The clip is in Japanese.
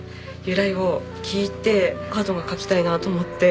由来を聞いてカードが描きたいなと思って。